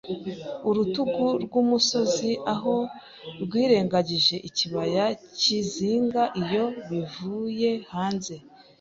urutugu rwumusozi aho rwirengagije ikibaya cyizinga, iyo, bivuye hanze